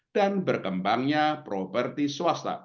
dan berkembangnya properti swasta